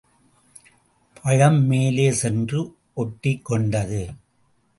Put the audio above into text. பழம் மேலே சென்று ஒட்டிக் கொண்டது.